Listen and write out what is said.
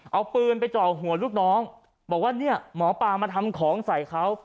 เอาปืนไปเจาะหัวลูกน้องบอกว่าเนี่ยหมอปลามาทำของใส่เขา